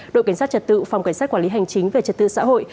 đội cảnh sát trật tự phòng cảnh sát quản lý hành chính về trật tự xã hội